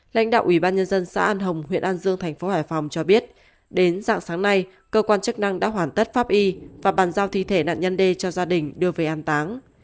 lãnh đạo ủy ban nhân dân xã an hồng huyện an dương thành phố hải phòng cho biết đến dạng sáng nay cơ quan chức năng đã hoàn tất pháp y và bàn giao thi thể nạn nhân d cho gia đình đưa về an táng